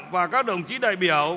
và các đồng chí đại biểu